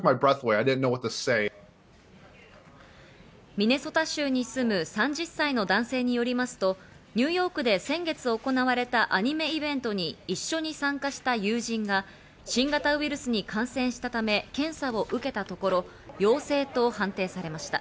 ミネソタ州に住む３０歳の男性によりますと、ニューヨークで先月行われたアニメイベントに一緒に参加した友人が新型ウイルスに感染したため検査受けたところ、陽性と判定されました。